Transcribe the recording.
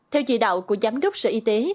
theo dị đạo của giám đốc sở y tế